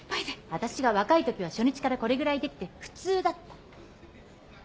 私が若い時は初日からこれぐらいできて普通だった。